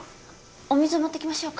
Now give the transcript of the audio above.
お水持ってきましょうか？